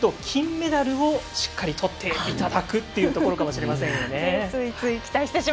逆に言うと金メダルをしっかりとっていただくというところかもしれませんね。